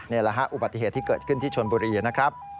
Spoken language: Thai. นี่แหละฮะอุบัติเหตุที่เกิดขึ้นที่ชนบุรีนะครับ